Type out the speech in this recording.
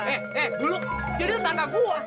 hei hei bulu jadi tetangga gua